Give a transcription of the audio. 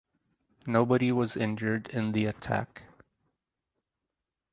Nobody was injured in the attack.